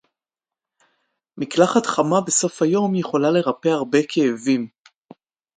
מקלחת חמה בסוף היום יכולה לרפא הרבה כאבים